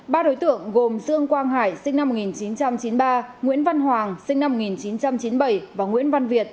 ba đối tượng gồm dương quang hải sinh năm một nghìn chín trăm chín mươi ba nguyễn văn hoàng sinh năm một nghìn chín trăm chín mươi bảy và nguyễn văn việt